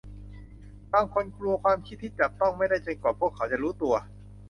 บางคนกลัวความคิดที่จับต้องไม่ได้จนกว่าพวกเขาจะรู้ตัว